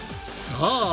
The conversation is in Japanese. さあ